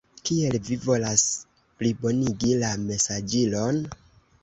Kiel vi volas plibonigi la mesaĝilon?